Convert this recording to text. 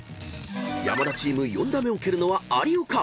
［山田チーム４打目を蹴るのは有岡］